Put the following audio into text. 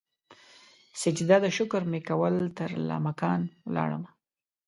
سجده د شکر مې کول ترلا مکان ولاړمه